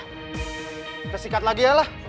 kita sikat lagi ya lah